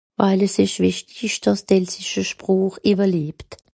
Wìl es ìsch wìchtisch, dàss d'elsässisch Sproch ìwwerlebt.